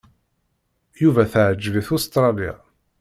Yuba teɛǧeb-it Ustṛalya.